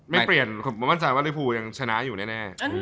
ไม่เปลี่ยนคือมันจะว่าลีฟูยังชนะอยู่แน่